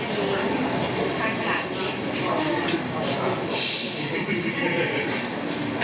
เรื่องเรื่องเขาเป็นอย่างนี้นะครับ